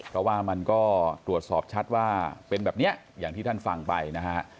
เพราะว่ามันก็ตรวจสอบชัดว่าเป็นแบบนี้อย่างที่ท่านฟังไปนะฮะ